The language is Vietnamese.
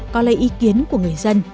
có lấy ý kiến của người dân